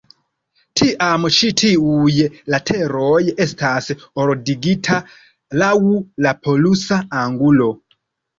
Tiam ĉi tiuj lateroj estas ordigita laŭ la polusa angulo.